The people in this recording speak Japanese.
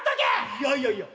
いやいやいや。